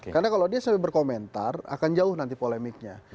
karena kalau dia sampai berkomentar akan jauh nanti polemiknya